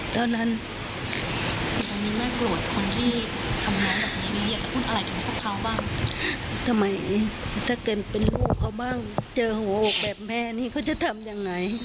ทำไมถ้าเป็นลูกเขาบ้างเจอหัวโอกแบบแม่นี้เขาจะทำยังไง